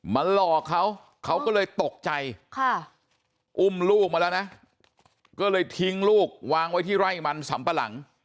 หลอกเขาเขาก็เลยตกใจอุ้มลูกมาแล้วนะก็เลยทิ้งลูกวางไว้ที่ไร่มันสำปะหลัง